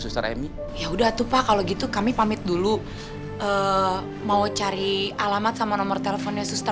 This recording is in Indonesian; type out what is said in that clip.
suster ini ya udah tuh pak kalau gitu kami pamit dulu mau cari alamat sama nomor teleponnya suster